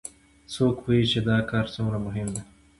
څوک پوهیږي چې دا کار څومره مهم ده